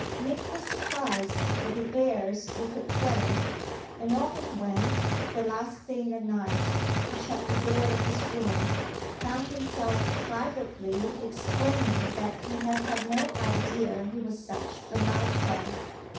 Nick was surprised at the airs he could play, and often when, the last thing at night, he shut the door of his room, found himself privately exclaiming that he had had no idea he was such a mountebank.